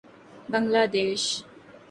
بنگلہ دیش